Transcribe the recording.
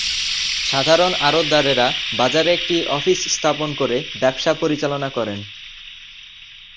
সাধারণ আড়তদাররা বাজারে একটা অফিস স্থাপন করে ব্যবসায় পরিচালনা করেন।